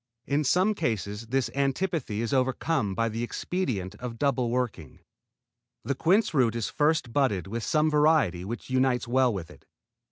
In some cases this antipathy is overcome by the expedient of double working. The quince root is first budded with some variety which unites well with it.